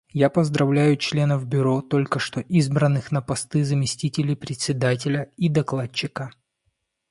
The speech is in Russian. Я поздравляю членов Бюро, только что избранных на посты заместителей Председателя и докладчика.